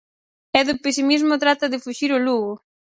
E do pesimismo trata de fuxir o Lugo.